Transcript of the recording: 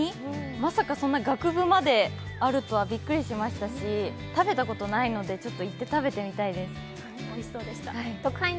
まさか学部まであるとはびっくりしましたし、食べたことないので行って食べてみたいです。